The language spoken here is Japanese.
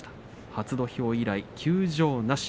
初土俵以来、休場なし。